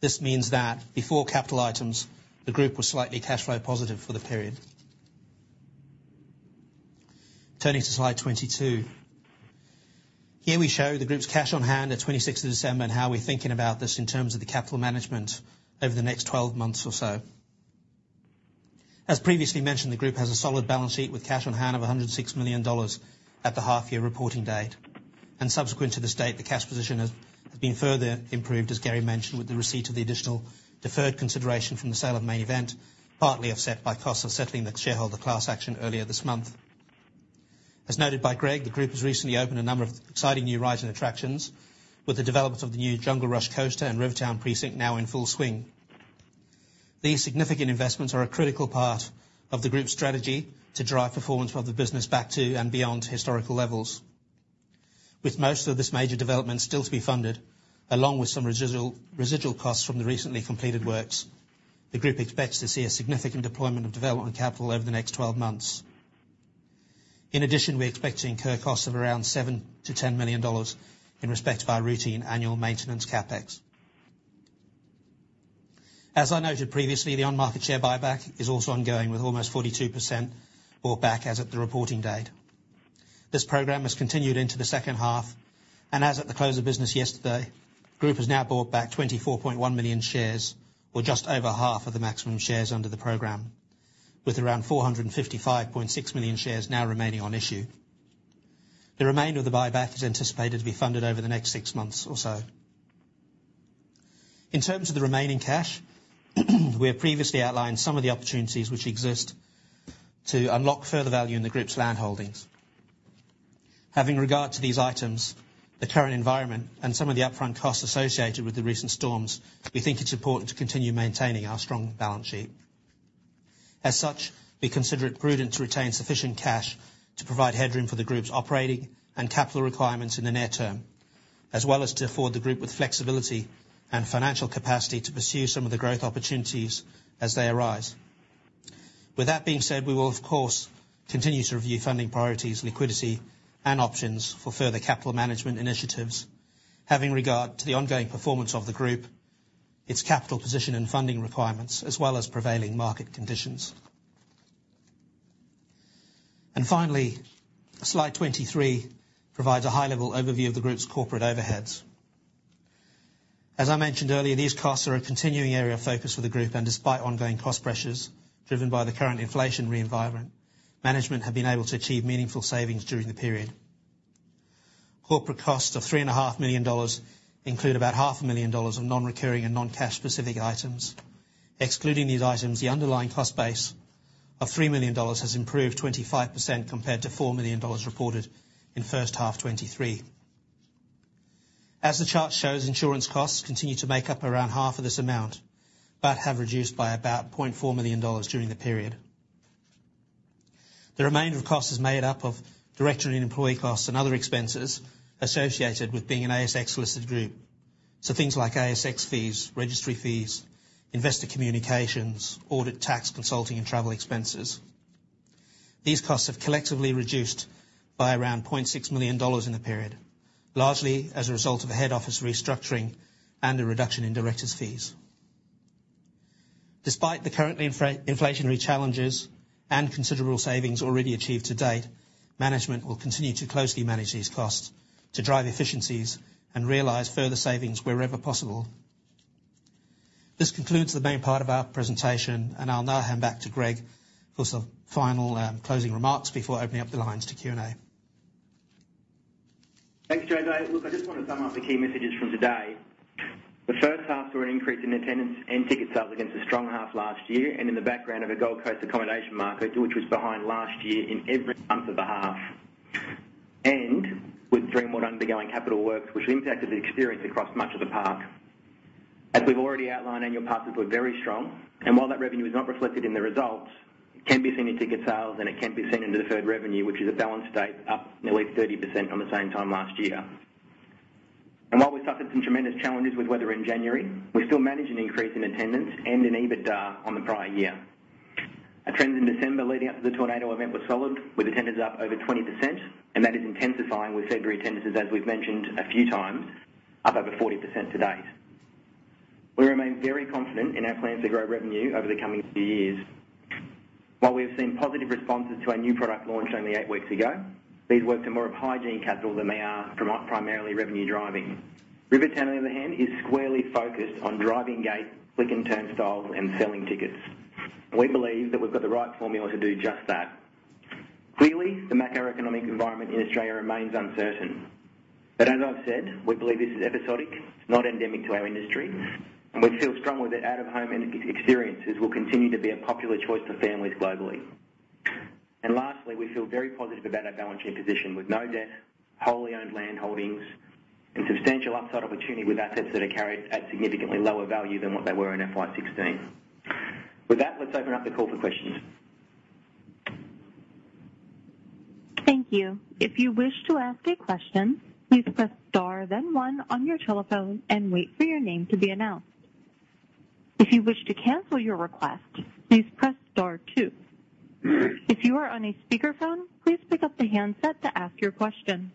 this means that before capital items, the group was slightly cash flow positive for the period. Turning to slide 22. Here, we show the group's cash on hand at 26th of December and how we're thinking about this in terms of the capital management over the next 12 months or so. As previously mentioned, the group has a solid balance sheet with cash on hand of AUD 106 million at the half-year reporting date. Subsequent to this date, the cash position has been further improved, as Gary mentioned, with the receipt of the additional deferred consideration from the sale of Main Event, partly offset by costs of settling the shareholder class action earlier this month. As noted by Greg, the group has recently opened a number of exciting new rides and attractions with the development of the new Jungle Rush Coaster and Rivertown Precinct now in full swing. These significant investments are a critical part of the group's strategy to drive performance of the business back to and beyond historical levels. With most of this major development still to be funded, along with some residual costs from the recently completed works, the group expects to see a significant deployment of development capital over the next 12 months. In addition, we expect to incur costs of around 7 million-10 million dollars in respect of our routine annual maintenance CapEx. As I noted previously, the on-market share buyback is also ongoing with almost 42% bought back as of the reporting date. This program has continued into the second half, and as at the close of business yesterday, the group has now bought back 24.1 million shares, or just over half of the maximum shares under the program, with around 455.6 million shares now remaining on issue. The remainder of the buyback is anticipated to be funded over the next six months or so. In terms of the remaining cash, we have previously outlined some of the opportunities which exist to unlock further value in the group's land holdings. Having regard to these items, the current environment, and some of the upfront costs associated with the recent storms, we think it's important to continue maintaining our strong balance sheet. As such, we consider it prudent to retain sufficient cash to provide headroom for the group's operating and capital requirements in the near term, as well as to afford the group with flexibility and financial capacity to pursue some of the growth opportunities as they arise. With that being said, we will, of course, continue to review funding priorities, liquidity, and options for further capital management initiatives, having regard to the ongoing performance of the group, its capital position and funding requirements, as well as prevailing market conditions. Finally, slide 23 provides a high-level overview of the group's corporate overheads. As I mentioned earlier, these costs are a continuing area of focus for the group, and despite ongoing cost pressures driven by the current inflationary environment, management have been able to achieve meaningful savings during the period. Corporate costs of 3.5 million dollars include about 500,000 dollars of non-recurring and non-cash-specific items. Excluding these items, the underlying cost base of 3 million dollars has improved 25% compared to 4 million dollars reported in first half 2023. As the chart shows, insurance costs continue to make up around half of this amount but have reduced by about AUD 0.4 million during the period. The remainder of costs is made up of director and employee costs and other expenses associated with being an ASX-listed group, so things like ASX fees, registry fees, investor communications, audit tax, consulting, and travel expenses. These costs have collectively reduced by around AUD 0.6 million in the period, largely as a result of a head office restructuring and a reduction in directors' fees. Despite the current inflationary challenges and considerable savings already achieved to date, management will continue to closely manage these costs to drive efficiencies and realize further savings wherever possible. This concludes the main part of our presentation, and I'll now hand back to Greg for some final closing remarks before opening up the lines to Q&A. Thanks, José. Look, I just want to sum up the key messages from today. The first half saw an increase in attendance and ticket sales against a strong half last year and in the background of a Gold Coast accommodation market which was behind last year in every month of the half and with Dreamworld undergoing capital works which impacted the experience across much of the park. As we've already outlined, annual passes were very strong, and while that revenue is not reflected in the results, it can be seen in ticket sales, and it can be seen into the third revenue, which is a balanced state up nearly 30% on the same time last year. And while we suffered some tremendous challenges with weather in January, we still managed an increase in attendance and in EBITDA on the prior year. Our trends in December leading up to the tornado event were solid, with attendance up over 20%, and that is intensifying with February attendances, as we've mentioned a few times, up over 40% to date. We remain very confident in our plans to grow revenue over the coming few years. While we have seen positive responses to our new product launched only eight weeks ago, these amount to more of hygiene CapEx than they are primarily revenue driving. Rivertown, on the other hand, is squarely focused on driving gate, click-and-collect styles, and selling tickets. We believe that we've got the right formula to do just that. Clearly, the macroeconomic environment in Australia remains uncertain. But as I've said, we believe this is episodic. It's not endemic to our industry, and we feel strongly that out-of-home experiences will continue to be a popular choice for families globally. Lastly, we feel very positive about our balance sheet position with no debt, wholly owned land holdings, and substantial upside opportunity with assets that are carried at significantly lower value than what they were in FY 2016. With that, let's open up the call for questions. Thank you. If you wish to ask a question, please press star, then one, on your telephone and wait for your name to be announced. If you wish to cancel your request, please press star two. If you are on a speakerphone, please pick up the handset to ask your question.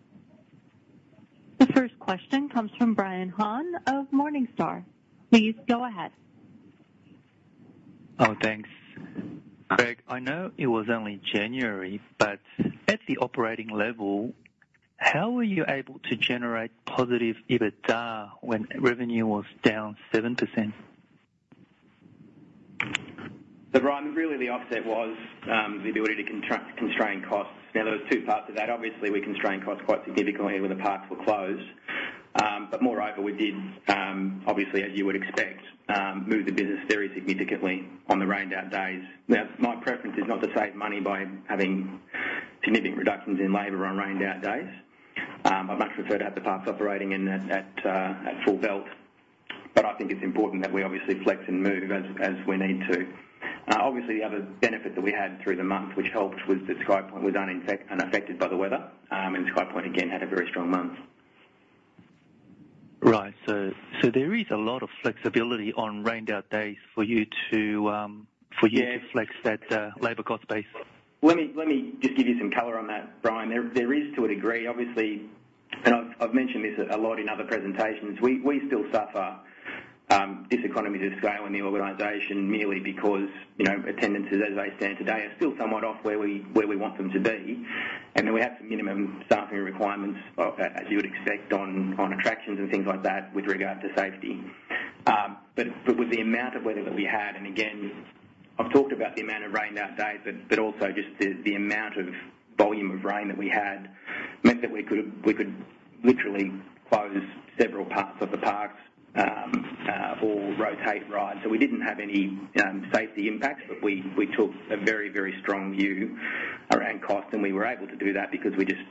The first question comes from Brian Han of Morningstar. Please go ahead. Oh, thanks. Greg, I know it was only January, but at the operating level, how were you able to generate positive EBITDA when revenue was down 7%? So, Brian, really the opposite was the ability to constrain costs. Now, there were two parts to that. Obviously, we constrained costs quite significantly when the parks were closed. But moreover, we did, obviously, as you would expect, move the business very significantly on the rained-out days. Now, my preference is not to save money by having significant reductions in labor on rained-out days. I'd much prefer to have the parks operating and at full tilt, but I think it's important that we obviously flex and move as we need to. Obviously, the other benefit that we had through the month which helped was that SkyPoint was unaffected by the weather, and SkyPoint, again, had a very strong month. Right. So there is a lot of flexibility on rained-out days for you to flex that labor cost base? Let me just give you some color on that, Brian. There is, to a degree, obviously and I've mentioned this a lot in other presentations. We still suffer dyseconomies of scale in the organization merely because attendances, as they stand today, are still somewhat off where we want them to be. And then we have some minimum staffing requirements, as you would expect, on attractions and things like that with regard to safety. But with the amount of weather that we had and again, I've talked about the amount of rained-out days, but also just the amount of volume of rain that we had meant that we could literally close several parts of the parks or rotate rides. So we didn't have any safety impacts, but we took a very, very strong view around cost, and we were able to do that because, just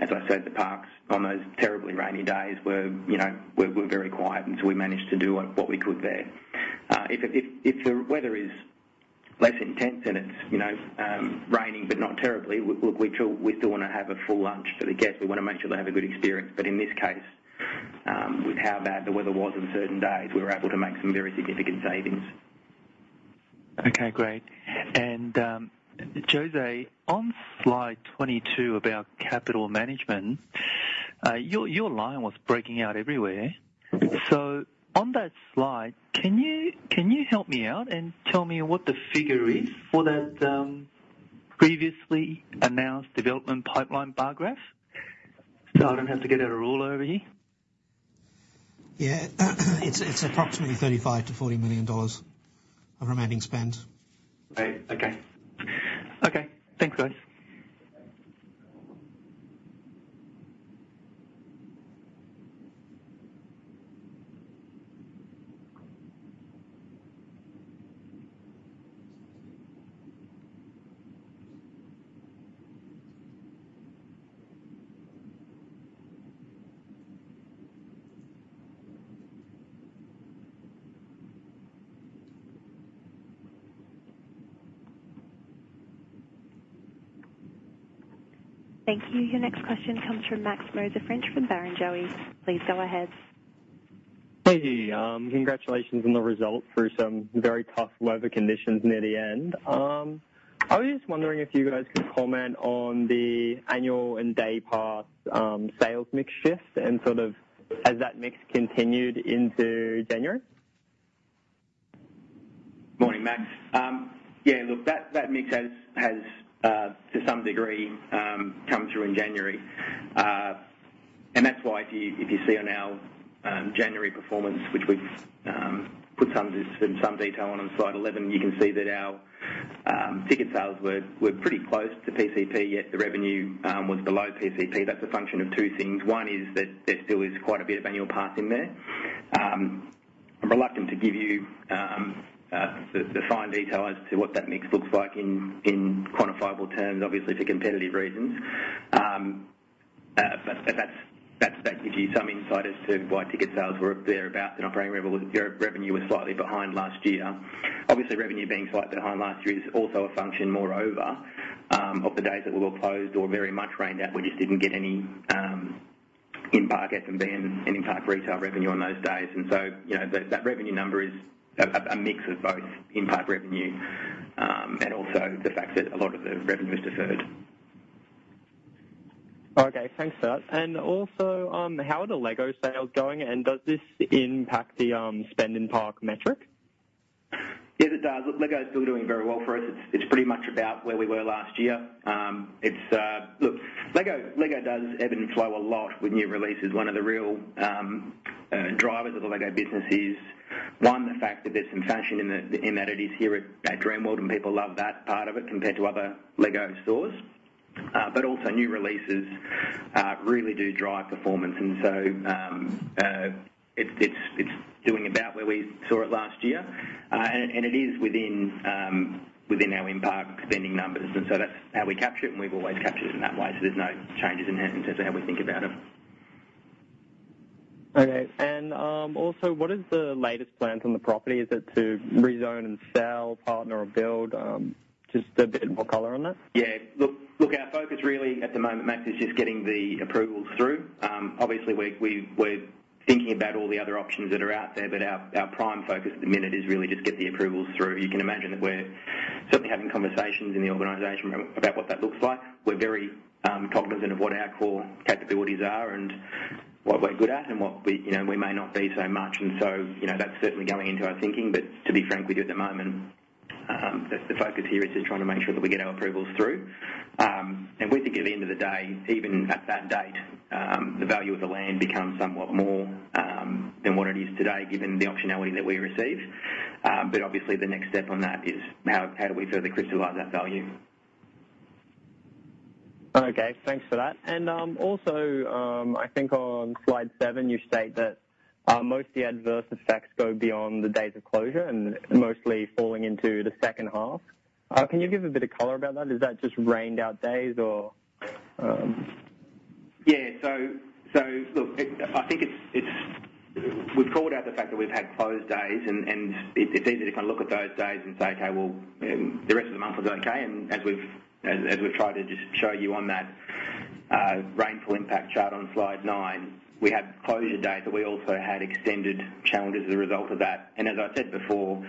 as I said, the parks on those terribly rainy days were very quiet, and so we managed to do what we could there. If the weather is less intense and it's raining but not terribly, look, we still want to have a full lunch for the guests. We want to make sure they have a good experience. But in this case, with how bad the weather was on certain days, we were able to make some very significant savings. Okay. Great. José, on slide 22 about capital management, your line was breaking up everywhere. So on that slide, can you help me out and tell me what the figure is for that previously announced development pipeline bar graph so I don't have to get out a ruler over here? Yeah. It's approximately 35 million-40 million dollars of remaining spend. Great. Okay. Okay. Thanks, guys. Thank you. Your next question comes from Max Moser French from Barrenjoey. Please go ahead. Hey. Congratulations on the result through some very tough weather conditions near the end. I was just wondering if you guys could comment on the annual and day pass sales mix shift and sort of as that mix continued into January? Morning, Max. Yeah. Look, that mix has, to some degree, come through in January. And that's why if you see on our January performance, which we've put some detail on on slide 11, you can see that our ticket sales were pretty close to PCP, yet the revenue was below PCP. That's a function of two things. One is that there still is quite a bit of annual pass in there. I'm reluctant to give you the fine detail as to what that mix looks like in quantifiable terms, obviously, for competitive reasons. But that gives you some insight as to why ticket sales were up there about. And operating revenue was slightly behind last year. Obviously, revenue being slightly behind last year is also a function, moreover, of the days that we were closed or very much rained out. We just didn't get any impact SMB and impact retail revenue on those days. And so that revenue number is a mix of both impact revenue and also the fact that a lot of the revenue was deferred. Okay. Thanks for that. And also, how are the LEGO sales going, and does this impact the spend-in-park metric? Yes, it does. Look, LEGO is still doing very well for us. It's pretty much about where we were last year. Look, LEGO does ebb and flow a lot with new releases. One of the real drivers of the LEGO business is, one, the fact that there's some fashion in that it is here at Dreamworld, and people love that part of it compared to other LEGO stores. But also, new releases really do drive performance, and so it's doing about where we saw it last year. And it is within our impact spending numbers, and so that's how we capture it, and we've always captured it in that way. So there's no changes in terms of how we think about it. Okay. And also, what is the latest plan on the property? Is it to rezone and sell, partner, or build? Just a bit more color on that. Yeah. Look, our focus really at the moment, Max, is just getting the approvals through. Obviously, we're thinking about all the other options that are out there, but our prime focus at the minute is really just get the approvals through. You can imagine that we're certainly having conversations in the organization about what that looks like. We're very cognizant of what our core capabilities are and what we're good at and what we may not be so much. And so that's certainly going into our thinking. But to be frank, we do at the moment, the focus here is just trying to make sure that we get our approvals through. And we think at the end of the day, even at that date, the value of the land becomes somewhat more than what it is today given the optionality that we receive. But obviously, the next step on that is how do we further crystallize that value. Okay. Thanks for that. Also, I think on slide 7, you state that most of the adverse effects go beyond the days of closure and mostly falling into the second half. Can you give a bit of color about that? Is that just rained-out days, or? Yeah. So look, I think we've called out the fact that we've had closed days, and it's easy to kind of look at those days and say, "Okay. Well, the rest of the month was okay." And as we've tried to just show you on that rainfall impact chart on slide 9, we had closure days, but we also had extended challenges as a result of that. And as I said before,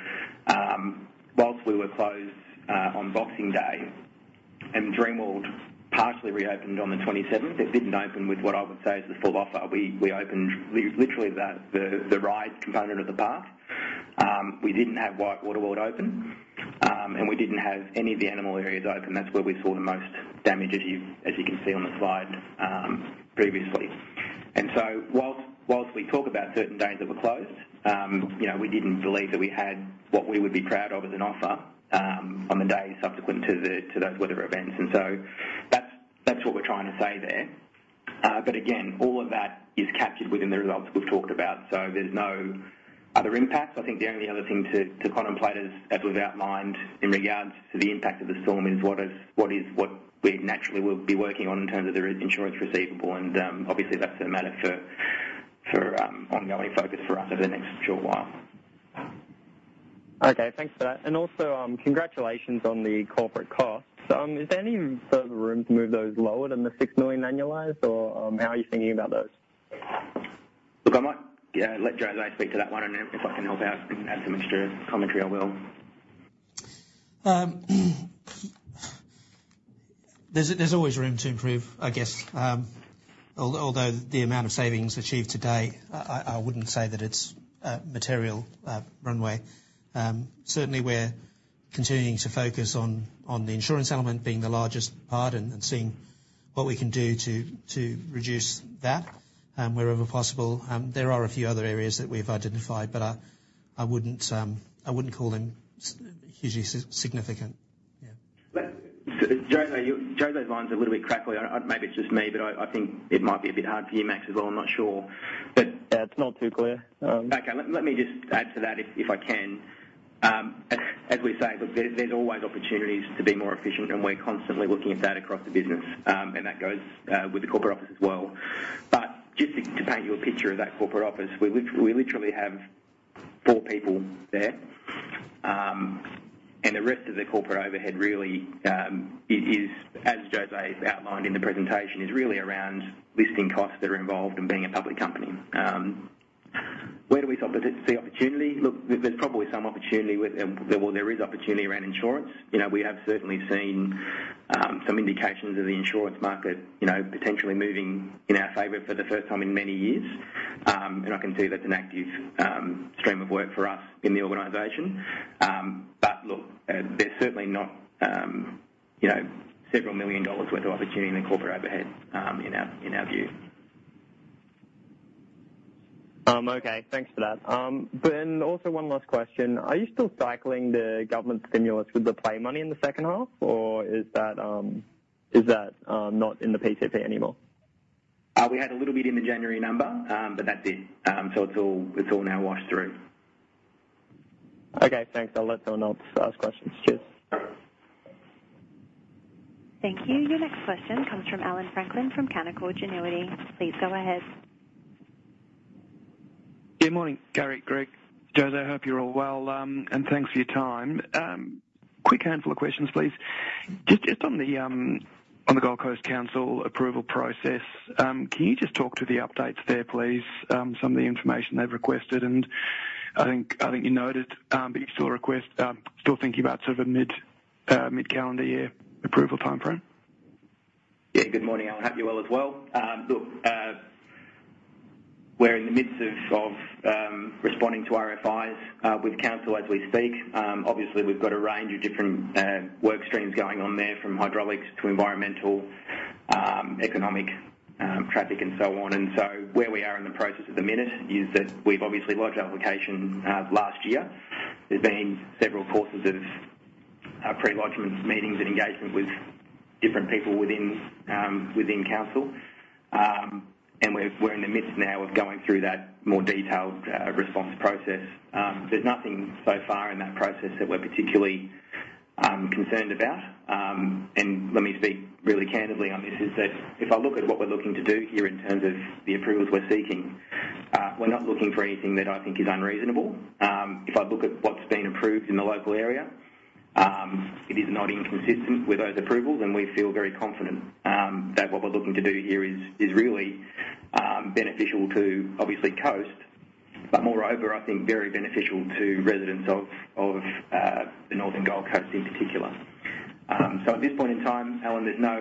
whilst we were closed on Boxing Day and Dreamworld partially reopened on the 27th, it didn't open with what I would say is the full offer. We opened literally the ride component of the park. We didn't have WhiteWater World open, and we didn't have any of the animal areas open. That's where we saw the most damage, as you can see on the slide previously. And so whilst we talk about certain days that were closed, we didn't believe that we had what we would be proud of as an offer on the days subsequent to those weather events. And so that's what we're trying to say there. But again, all of that is captured within the results we've talked about, so there's no other impacts. I think the only other thing to contemplate, as we've outlined in regards to the impact of the storm, is what we naturally will be working on in terms of the insurance receivable. And obviously, that's a matter for ongoing focus for us over the next short while. Okay. Thanks for that. Also, congratulations on the corporate costs. Is there any further room to move those lower than the 6 million annualized, or how are you thinking about those? Look, I might let José speak to that one, and if I can help out and add some extra commentary, I will. There's always room to improve, I guess. Although the amount of savings achieved today, I wouldn't say that it's material runway. Certainly, we're continuing to focus on the insurance element being the largest part and seeing what we can do to reduce that wherever possible. There are a few other areas that we've identified, but I wouldn't call them hugely significant. Yeah. José, your line's a little bit crackly. Maybe it's just me, but I think it might be a bit hard for you, Max, as well. I'm not sure. But. Yeah. It's not too clear. Okay. Let me just add to that if I can. As we say, look, there's always opportunities to be more efficient, and we're constantly looking at that across the business, and that goes with the corporate office as well. But just to paint you a picture of that corporate office, we literally have four people there. And the rest of the corporate overhead really is, as José outlined in the presentation, is really around listing costs that are involved in being a public company. Where do we see opportunity? Look, there's probably some opportunity. Well, there is opportunity around insurance. We have certainly seen some indications of the insurance market potentially moving in our favor for the first time in many years, and I can see that's an active stream of work for us in the organisation. But look, there's certainly not $several million worth of opportunity in the corporate overhead, in our view. Okay. Thanks for that. Also, one last question. Are you still cycling the government stimulus with the Play Money in the second half, or is that not in the PCP anymore? We had a little bit in the January number, but that's it. So it's all now washed through. Okay. Thanks. I'll let someone else ask questions. Cheers. Thank you. Your next question comes from Allan Franklin from Canaccord Genuity. Please go ahead. Good morning, Gary, Greg. José, I hope you're all well, and thanks for your time. Quick handful of questions, please. Just on the Gold Coast Council approval process, can you just talk to the updates there, please, some of the information they've requested? And I think you noted, but you're still thinking about sort of a mid-calendar year approval timeframe? Yeah. Good morning, Alan. Hope you're well as well. Look, we're in the midst of responding to RFIs with council as we speak. Obviously, we've got a range of different work streams going on there from hydraulics to environmental, economic, traffic, and so on. And so where we are in the process at the minute is that we've obviously lodged application last year. There's been several courses of pre-lodgement meetings and engagement with different people within council, and we're in the midst now of going through that more detailed response process. There's nothing so far in that process that we're particularly concerned about. And let me speak really candidly on this, is that if I look at what we're looking to do here in terms of the approvals we're seeking, we're not looking for anything that I think is unreasonable. If I look at what's been approved in the local area, it is not inconsistent with those approvals, and we feel very confident that what we're looking to do here is really beneficial to, obviously, Coast, but moreover, I think very beneficial to residents of the northern Gold Coast in particular. So at this point in time, Alan, there's no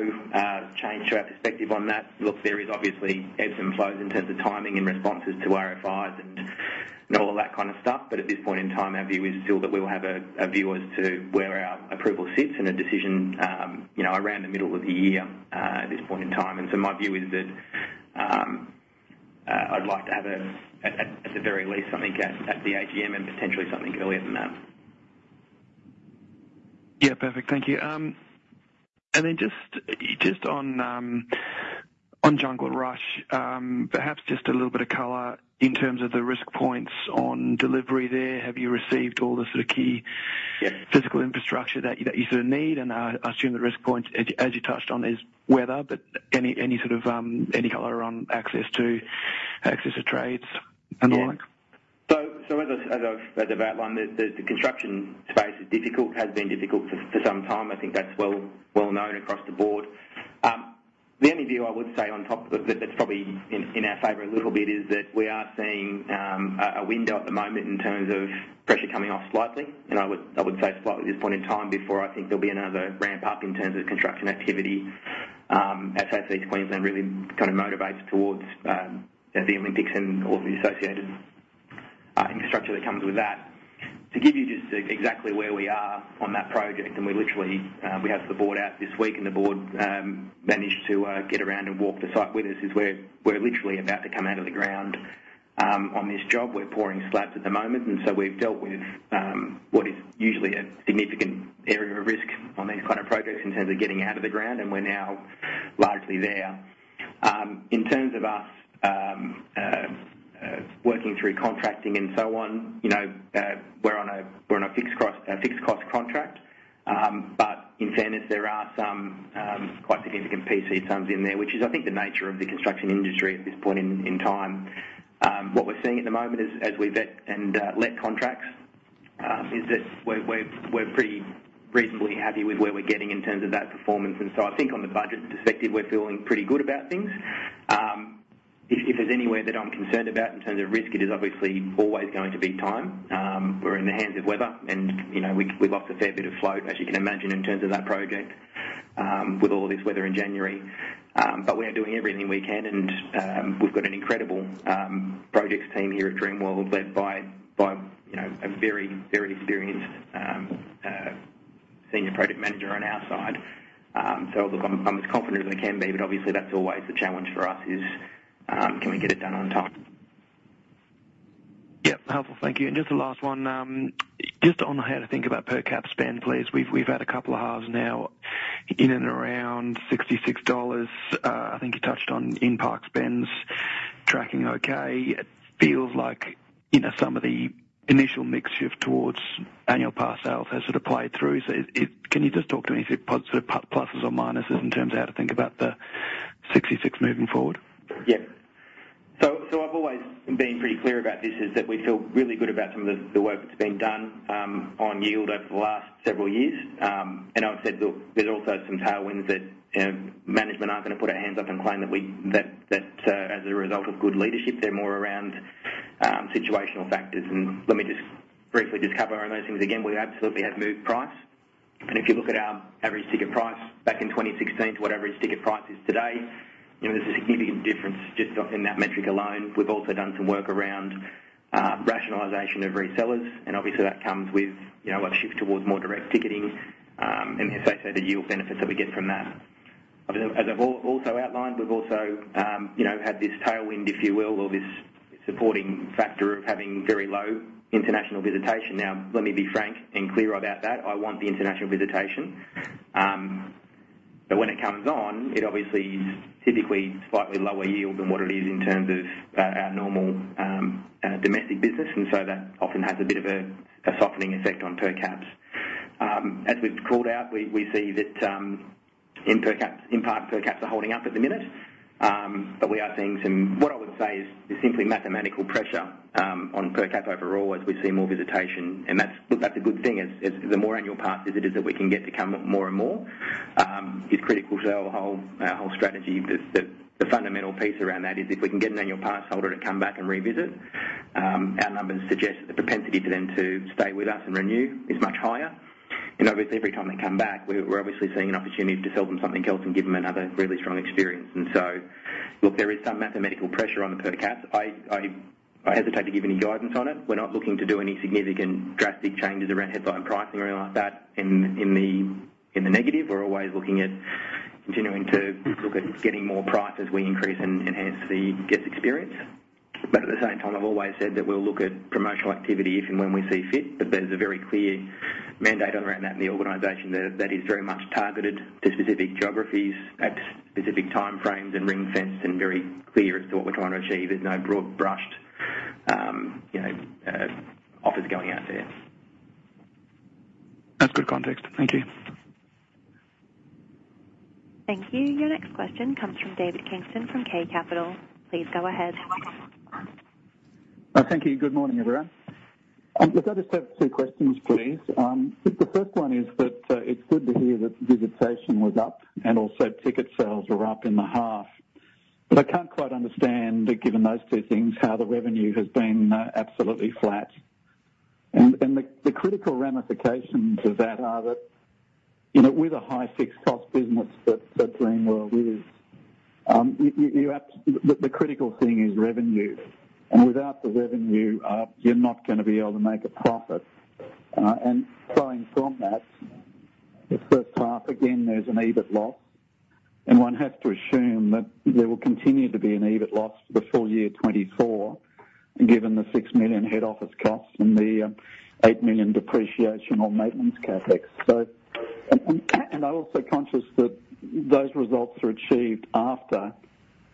change to our perspective on that. Look, there is obviously ebbs and flows in terms of timing and responses to RFIs and all of that kind of stuff, but at this point in time, our view is still that we will have a view as to where our approval sits and a decision around the middle of the year at this point in time. And so my view is that I'd like to have a, at the very least, something at the AGM and potentially something earlier than that. Yeah. Perfect. Thank you. And then just on Jungle Rush, perhaps just a little bit of color in terms of the risk points on delivery there. Have you received all the sort of key physical infrastructure that you sort of need? And I assume the risk point, as you touched on, is weather, but any sort of color on access to trades and the like? Yeah. So as I've outlined, the construction space is difficult, has been difficult for some time. I think that's well known across the board. The only view I would say on top that's probably in our favor a little bit is that we are seeing a window at the moment in terms of pressure coming off slightly, and I would say slightly at this point in time before I think there'll be another ramp-up in terms of construction activity as South East Queensland really kind of motivates towards the Olympics and all the associated infrastructure that comes with that. To give you just exactly where we are on that project, and we have the board out this week, and the board managed to get around and walk the site with us, is we're literally about to come out of the ground on this job. We're pouring slabs at the moment, and so we've dealt with what is usually a significant area of risk on these kind of projects in terms of getting out of the ground, and we're now largely there. In terms of us working through contracting and so on, we're on a fixed-cost contract, but in fairness, there are some quite significant PC sums in there, which is, I think, the nature of the construction industry at this point in time. What we're seeing at the moment as we vet and let contracts is that we're pretty reasonably happy with where we're getting in terms of that performance. And so I think on the budget perspective, we're feeling pretty good about things. If there's anywhere that I'm concerned about in terms of risk, it is obviously always going to be time. We're in the hands of weather, and we've lost a fair bit of float, as you can imagine, in terms of that project with all of this weather in January. But we are doing everything we can, and we've got an incredible projects team here at Dreamworld led by a very, very experienced senior project manager on our side. So look, I'm as confident as I can be, but obviously, that's always the challenge for us, is can we get it done on time? Yeah. Helpful. Thank you. And just the last one. Just on how to think about per-cap spend, please. We've had a couple of hours now in and around 66 dollars. I think you touched on impact spends tracking okay. It feels like some of the initial mix shift towards annual pass sales has sort of played through. So can you just talk to me sort of pluses or minuses in terms of how to think about the 66 moving forward? Yeah. I've always been pretty clear about this, is that we feel really good about some of the work that's been done on yield over the last several years. I've said, "Look, there's also some tailwinds that management aren't going to put their hands up and claim that as a result of good leadership, they're more around situational factors." Let me just briefly just cover around those things again. We absolutely have moved price. If you look at our average ticket price back in 2016 to what average ticket price is today, there's a significant difference just in that metric alone. We've also done some work around rationalization of resellers, and obviously, that comes with a shift towards more direct ticketing and associated yield benefits that we get from that. As I've also outlined, we've also had this tailwind, if you will, or this supporting factor of having very low international visitation. Now, let me be frank and clear about that. I want the international visitation. But when it comes on, it obviously is typically slightly lower yield than what it is in terms of our normal domestic business, and so that often has a bit of a softening effect on per-caps. As we've called out, we see that impact per-caps are holding up at the minute, but we are seeing some what I would say is simply mathematical pressure on per-cap overall as we see more visitation. And look, that's a good thing. The more annual pass visitors that we can get to come more and more is critical to our whole strategy. The fundamental piece around that is if we can get an annual pass holder to come back and revisit, our numbers suggest that the propensity for them to stay with us and renew is much higher. And obviously, every time they come back, we're obviously seeing an opportunity to sell them something else and give them another really strong experience. And so look, there is some mathematical pressure on the per-caps. I hesitate to give any guidance on it. We're not looking to do any significant drastic changes around headline pricing or anything like that in the negative. We're always looking at continuing to look at getting more price as we increase and enhance the guest experience. But at the same time, I've always said that we'll look at promotional activity if and when we see fit. But there's a very clear mandate around that in the organization that is very much targeted to specific geographies at specific timeframes and ring-fenced and very clear as to what we're trying to achieve. There's no broad-brushed offers going out there. That's good context. Thank you. Thank you. Your next question comes from David Kingston from K Capital. Please go ahead. Thank you. Good morning, everyone. Look, I just have two questions, please. The first one is that it's good to hear that visitation was up and also ticket sales were up in the half, but I can't quite understand, given those two things, how the revenue has been absolutely flat. And the critical ramifications of that are that with a high fixed-cost business that Dreamworld is, the critical thing is revenue. And without the revenue, you're not going to be able to make a profit. And flowing from that, the first half, again, there's an EBIT loss, and one has to assume that there will continue to be an EBIT loss for the full year 2024 given the 6 million head office costs and the 8 million depreciation or maintenance CapEx. And I'm also conscious that those results are achieved after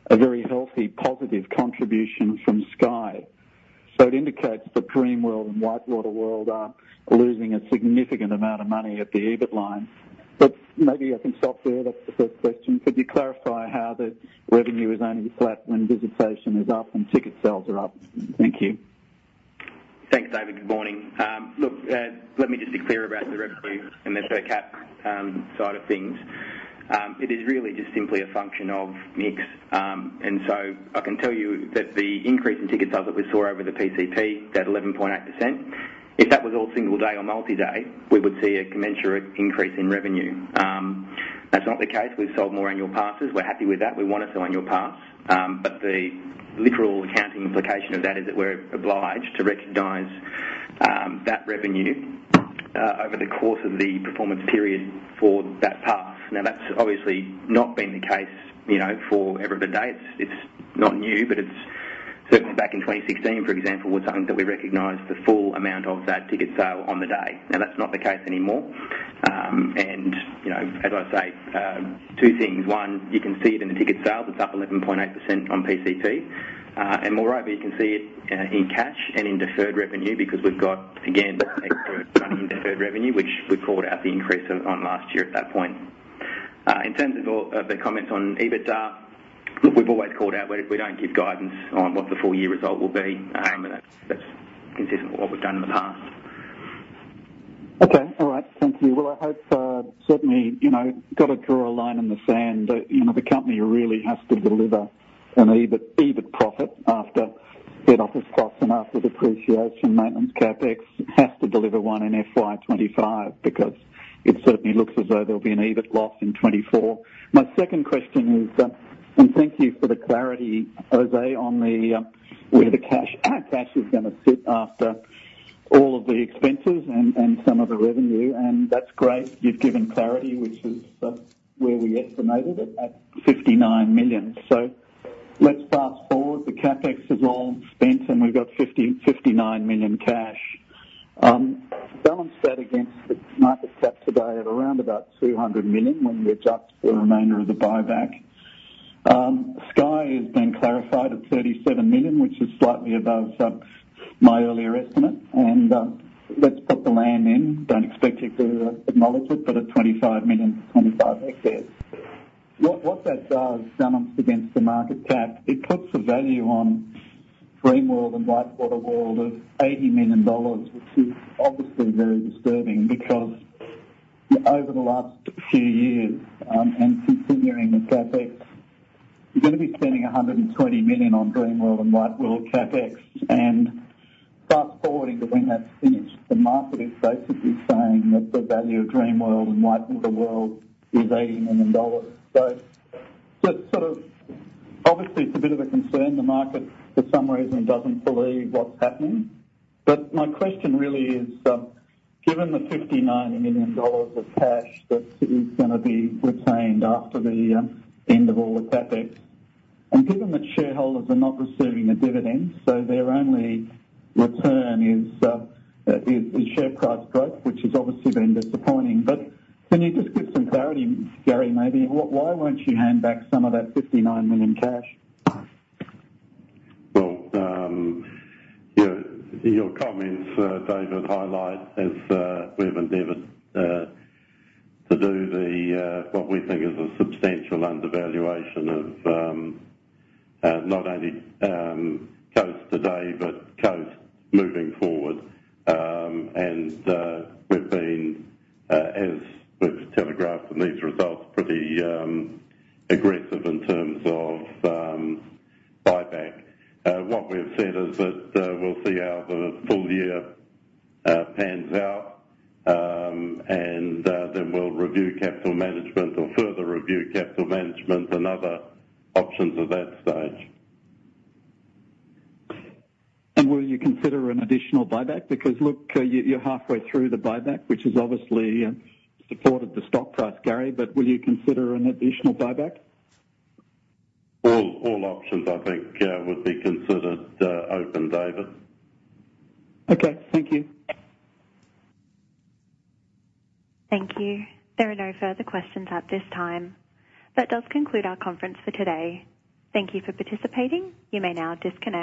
a very healthy, positive contribution from Sky. It indicates that Dreamworld and WhiteWater World are losing a significant amount of money at the EBIT line. Maybe I can stop there. That's the first question. Could you clarify how the revenue is only flat when visitation is up and ticket sales are up? Thank you. Thanks, David. Good morning. Look, let me just be clear about the revenue and the per-cap side of things. It is really just simply a function of mix. And so I can tell you that the increase in ticket sales that we saw over the PCP, that 11.8%, if that was all single-day or multi-day, we would see a commensurate increase in revenue. That's not the case. We've sold more annual passes. We're happy with that. We want to sell annual pass. But the literal accounting implication of that is that we're obliged to recognize that revenue over the course of the performance period for that pass. Now, that's obviously not been the case for every day. It's not new, but certainly back in 2016, for example, was something that we recognized the full amount of that ticket sale on the day. Now, that's not the case anymore. As I say, two things. One, you can see it in the ticket sales. It's up 11.8% on PCP. And moreover, you can see it in cash and in deferred revenue because we've got, again, extra money in deferred revenue, which we called out the increase on last year at that point. In terms of the comments on EBITDA, look, we've always called out we don't give guidance on what the full-year result will be, and that's consistent with what we've done in the past. Okay. All right. Thank you. Well, I hope certainly got to draw a line in the sand. The company really has to deliver an EBIT profit after head office costs and after depreciation, maintenance CapEx. Has to deliver one in FY 2025 because it certainly looks as though there'll be an EBIT loss in 2024. My second question is that and thank you for the clarity, José, on where the cash is going to sit after all of the expenses and some of the revenue. And that's great. You've given clarity, which is where we estimated it at 59 million. So let's fast forward. The CapEx is all spent, and we've got 59 million cash. Balance that against the market cap today at around about 200 million when we adjust for the remainder of the buyback. Sky has been clarified at 37 million, which is slightly above my earlier estimate. Let's put the land in. Don't expect you to acknowledge it, but at 25 million for 25 hectares. What that does balance against the market cap, it puts a value on Dreamworld and WhiteWater World of 80 million dollars, which is obviously very disturbing because over the last few years and continuing the CapEx, you're going to be spending 120 million on Dreamworld and WhiteWater World CapEx. Fast forwarding to when that's finished, the market is basically saying that the value of Dreamworld and WhiteWater World is 80 million dollars. So obviously, it's a bit of a concern. The market, for some reason, doesn't believe what's happening. But my question really is, given the 59 million dollars of cash that is going to be retained after the end of all the CapEx and given that shareholders are not receiving a dividend, so their only return is share price growth, which has obviously been disappointing, but can you just give some clarity, Gary, maybe? Why won't you hand back some of that 59 million cash? Well, your comments, David, highlight as we've endeavored to do what we think is a substantial undervaluation of not only Coast today but Coast moving forward. We've been, as we've telegraphed in these results, pretty aggressive in terms of buyback. What we've said is that we'll see how the full year pans out, and then we'll review capital management or further review capital management and other options at that stage. Will you consider an additional buyback? Because look, you're halfway through the buyback, which has obviously supported the stock price, Gary, but will you consider an additional buyback? All options, I think, would be considered open, David. Okay. Thank you. Thank you. There are no further questions at this time. That does conclude our conference for today. Thank you for participating. You may now disconnect.